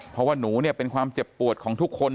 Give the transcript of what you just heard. เพราะว่าหนูเนี่ยเป็นความเจ็บปวดของทุกคน